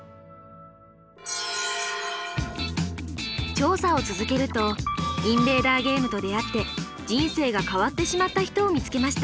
調査を続けるとインベーダーゲームと出会って人生が変わってしまった人を見つけました。